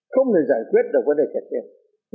không thể giải quyết được vấn đề kẹt kẹt